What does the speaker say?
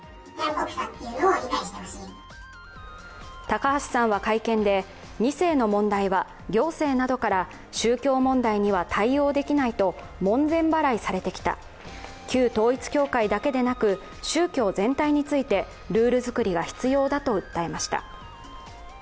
高橋さんは会見で２世の問題は行政などから宗教問題には対応できないと門前払いされてきた、旧統一教会だけでなく、宗教全体についてルールづくりが必要だと訴えました。